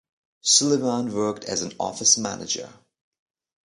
Sullivan worked as an office manager.